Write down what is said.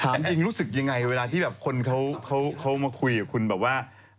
จริงรู้สึกยังไงเวลาที่แบบคนเขามาคุยกับคุณแบบว่า